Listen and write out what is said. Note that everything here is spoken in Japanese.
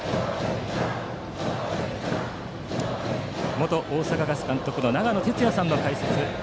元大阪ガス監督の長野哲也さんの解説。